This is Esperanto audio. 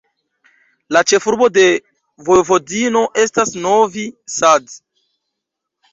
La ĉefurbo de Vojvodino estas Novi Sad.